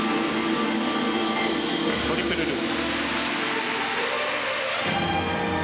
トリプルループ。